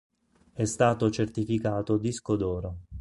È stato certificato disco d oro.